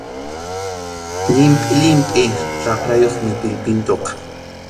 Llimpʼi llimpʼi raprayuqmi pillpintuqa.